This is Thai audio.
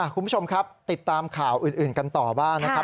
คุณผู้ชมครับติดตามข่าวอื่นกันต่อบ้างนะครับ